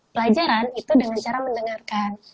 pelajaran itu dengan cara mendengarkan